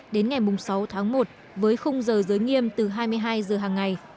đến ngày sáu tháng một với khung giờ giới nghiêm từ hai mươi hai giờ hàng ngày